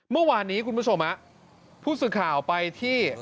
เมื่อวานนี้คุณผู้ชมผู้สื่อข่าวไปที่